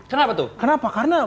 kenapa tuh kenapa karena